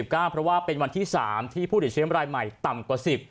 เพราะว่าวันนี้เป็นวันที่๓ที่ผู้เดี่ยวชีวิตร้ายใหม่ต่ำกว่า๑๐